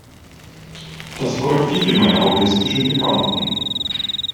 Das freut viele meiner autistischen Bekannten.